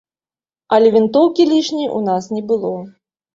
Але вінтоўкі лішняй у нас не было.